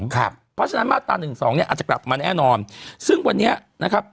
๑๑๒ครับเพราะฉะนั้นมาสตาร์๑๒เนี่ยอาจจะกลับมาแน่นอนซึ่งวันนี้นะครับ